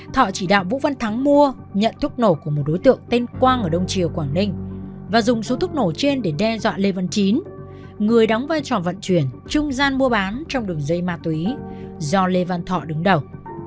thọ chỉ đạo vũ văn thắng mua nhận thuốc nổ của một đối tượng tên quang ở đông triều quảng ninh và dùng số thuốc nổ trên để đe dọa lê văn chín người đóng vai trò vận chuyển trung gian mua bán trong đường dây ma túy do lê văn thọ đứng đầu